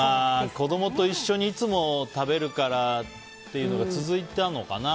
子供と一緒にいつも食べるのが続いたのかな。